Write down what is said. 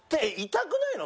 痛くないの？